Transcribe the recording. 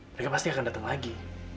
mereka pasti akan datang lagi